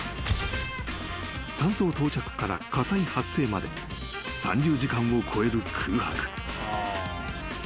［山荘到着から火災発生まで３０時間を超える空白］